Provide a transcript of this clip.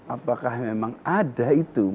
apakah memang ada itu